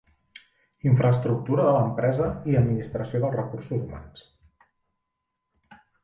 Infraestructura de l'empresa i administració dels recursos humans.